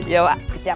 ya wak siap